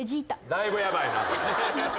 だいぶヤバいな。